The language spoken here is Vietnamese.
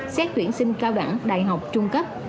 xét tuyển sinh cao đẳng đại học trung cấp